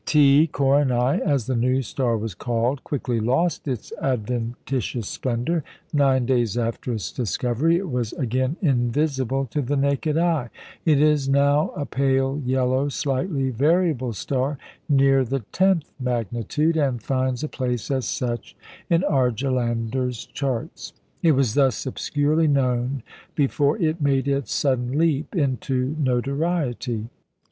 T Coronæ (as the new star was called) quickly lost its adventitious splendour. Nine days after its discovery it was again invisible to the naked eye. It is now a pale yellow, slightly variable star near the tenth magnitude, and finds a place as such in Argelander's charts. It was thus obscurely known before it made its sudden leap into notoriety.